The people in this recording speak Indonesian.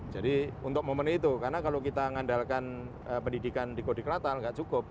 jadi untuk momen itu karena kalau kita mengandalkan pendidikan di kodi kelatal tidak cukup